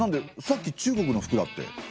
さっき中国の服だって。